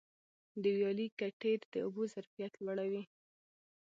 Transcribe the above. د ویالي کټېر د اوبو ظرفیت لوړوي.